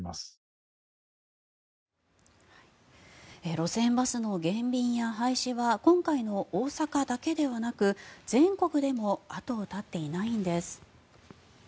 路線バスの減便や廃止は今回の大阪だけではなく全国でも後を絶っていないんです。